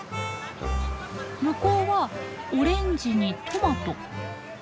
向こうはオレンジにトマト？